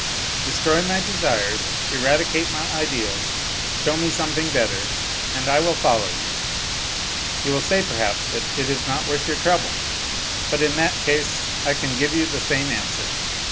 Destroy my desires, eradicate my ideals, show me something better, and I will follow you. You will say, perhaps, that it is not worth your trouble ; but in that case I can give you the same answer.